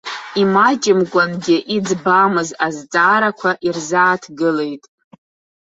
Имаҷымкәангьы иӡбамыз азҵаарақәа ирзааҭгылеит.